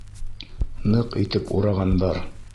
Ныҡ итеп урағандар.